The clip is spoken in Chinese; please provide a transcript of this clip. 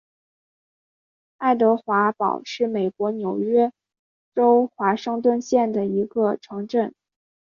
爱德华堡是美国纽约州华盛顿县的一个城镇。